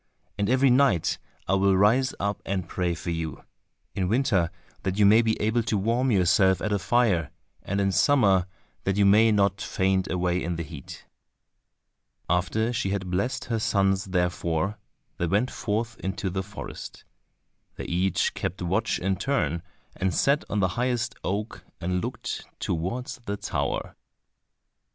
And every night I will rise up and pray for you—in winter that you may be able to warm yourself at a fire, and in summer that you may not faint away in the heat." After she had blessed her sons therefore, they went forth into the forest. They each kept watch in turn, and sat on the highest oak and looked towards the tower.